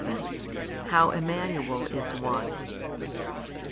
How Emmanuel is One.